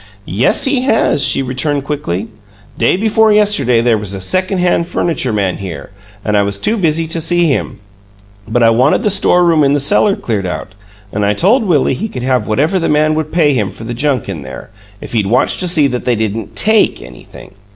"Yes, he has," she returned, quickly. "Day before yesterday there was a second hand furniture man here, and I was too busy to see him, but I wanted the storeroom in the cellar cleared out, and I told Willie he could have whatever the man would pay him for the junk in there, if he'd watch to see that they didn't TAKE anything.